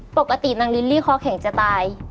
ปกตินางลิลลี่คอแข็งจะตาย